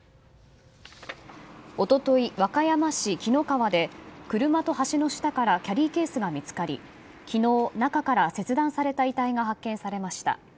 一昨日、和歌山市紀の川で車と橋の下からキャリーケースが見つかり昨日、中から切断された遺体が見つかりました。